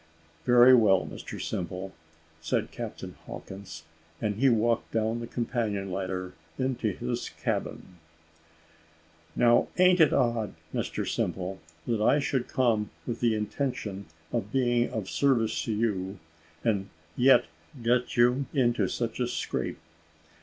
"Very well, Mr Simple," said Captain Hawkins and he walked down the companion ladder into his cabin. "Now a'n't it odd, Mr Simple, that I should come with the intention of being of service to you, and yet get you into such a scrape?